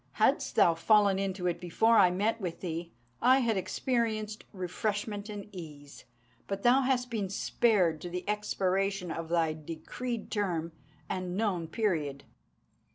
Hadst thou fallen into it before I met with thee, I had experienced refreshment and ease. But thou hast been spared to the expiration of thy decreed term and known period."